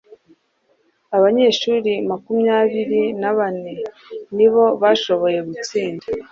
Abanyeshuri makumyabiri na bane ni bo bashoboye gutsinda,